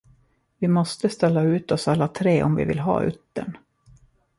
Vi måste ställa ut oss alla tre om vi vill ha uttern.